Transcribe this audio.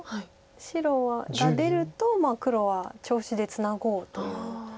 白が出ると黒は調子でツナごうという。